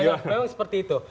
nah memang seperti itu